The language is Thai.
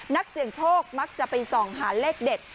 นักเสี่ยงโชคมักจะไปส่องหาเลขเด็ด